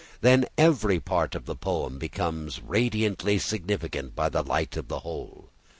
Then every part of the poem becomes radiantly significant by the light of the whole.